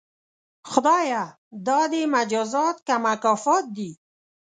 خدایه دا دې مجازات که مکافات دي؟